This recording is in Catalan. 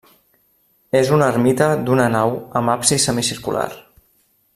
És una ermita d'una nau amb absis semicircular.